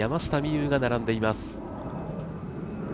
有が並んでいます。